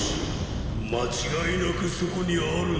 間違いなくそこにあるんだな？